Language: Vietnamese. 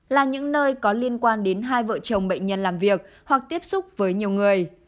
là những nơi có liên quan đến hai vợ chồng bệnh nhân làm việc hoặc tiếp xúc với nhiều người